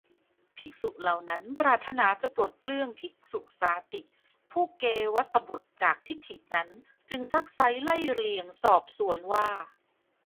ภิกษุเหล่านั้นปรารถนาจะปลดเปลื้องภิกษุสาติ ผู้เกวัฏฏบุตรจากทิฏฐินั้นจึงซักไซ้ ไล่เลียงสอบสวนว่า